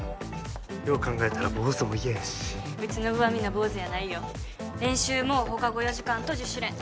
よう考えたら坊主も嫌やしうちの部はみんな坊主やないよ練習も放課後４時間と自主練